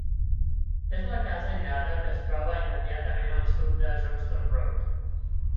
És la casa aïllada que es troba immediatament al sud de Johnstone Road.